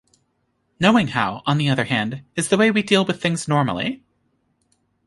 Knowing-how, on the other hand, is the way we deal with things normally.